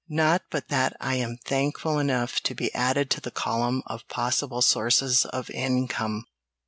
Not but that I'm thankful enough to be added to the column of possible sources of income!"